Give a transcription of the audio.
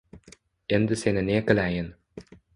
Endi seni ne qilayin